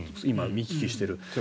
今、見聞きしている。